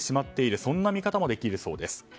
そんな見方もできるそうです。